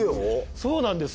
そうなんです。